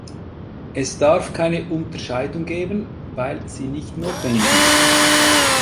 Es darf keine Unterscheidung geben, weil sie nicht notwendig ist.